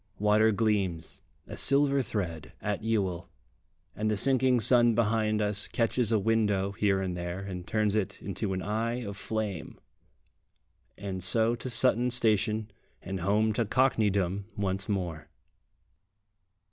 Water gleams a silver thread at Ewell, and the sinking sun behind us catches a window here and there, and turns it into an eye of flame. And so to Sutton station and home to Cockneydom once more.